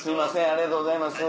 ありがとうございます。